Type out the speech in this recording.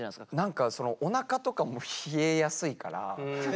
何かそのおなかとかも冷えやすいから。